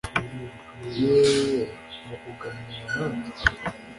yeeeh ngo kuganira nanjye